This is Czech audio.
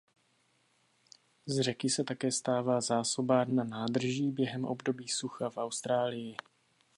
Z řeky se také stává zásobárna nádrží během období sucha v Austrálii.